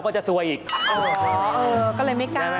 ตื่นขึ้นมาอีกทีตอน๑๐โมงเช้า